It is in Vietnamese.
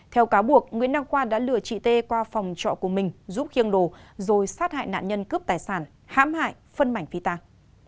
theo cáo buộc nguyễn đăng khoa đã lừa chị t qua phòng trọ của mình giúp khiêng đồ rồi sát hại nạn nhân cướp tài sản hãm hại phân mảnh phi tàng